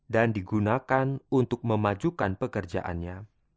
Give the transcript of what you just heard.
dan digunakan untuk memajukan pekerjaannya